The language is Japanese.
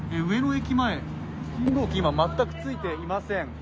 上野駅前、信号機、今全くついていません。